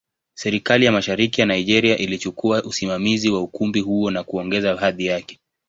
Serikali ya Mashariki ya Nigeria ilichukua usimamizi wa ukumbi huo na kuongeza hadhi yake.